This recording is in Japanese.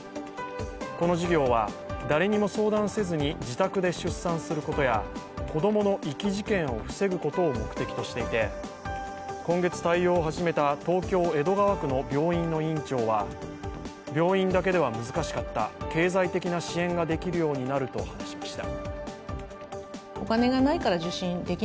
この事業は誰にも相談せずに自宅で出産することや子供の遺棄事件を防ぐことを目的としていて今月、対応を始めた東京・江戸川区の病院の院長は病院だけでは難しかった経済的な支援ができるようになると話しました。